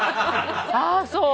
ああそう。